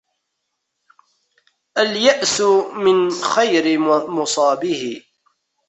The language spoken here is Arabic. الْيَأْسُ مِنْ خَيْرِ مُصَابِهِ